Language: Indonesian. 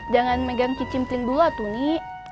jangan megang kicimpring dulu atuni